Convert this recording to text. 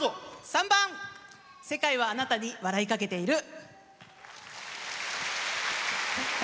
３番「世界はあなたに笑いかけている」。